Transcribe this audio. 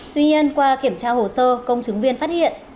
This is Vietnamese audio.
tuy nhiên qua kiểm tra hồ sơ công chứng viên phát hiện